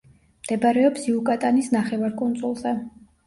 მდებარეობს იუკატანის ნახევარკუნძულზე.